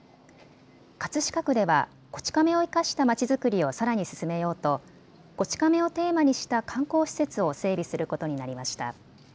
葛飾区ではこち亀を生かしたまちづくりをさらに進めようと、こち亀をテーマにした観光施設を整備することになりました。